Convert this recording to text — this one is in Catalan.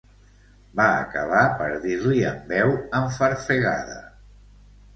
Va acabar per dir-li amb veu enfarfegada: